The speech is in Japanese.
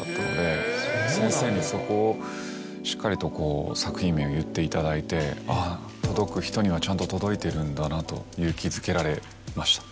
先生にそこをしっかりと作品名を言っていただいて届く人にはちゃんと届いているんだなと勇気づけられました。